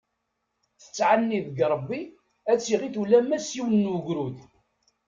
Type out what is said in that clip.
Tettɛenni deg Rebbi ad tt-i-iɣit ulamma s yiwen n ugrud.